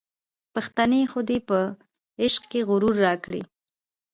پښتنې خودۍ په عشق کي غرور راکړی